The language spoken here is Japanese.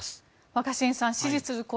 若新さん、支持する声